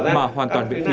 mà hoàn toàn việc thí